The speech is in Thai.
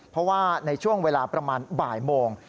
เพราะว่าในช่วงเวลาประมาณบ่ายโมง